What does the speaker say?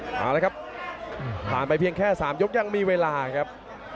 เอาละครับผ่านไปเพียงแค่๓ยกยังมีเวลาครับ